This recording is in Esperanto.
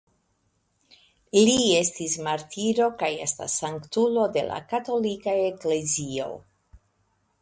Li estis martiro kaj estas sanktulo de la Katolika Eklezio.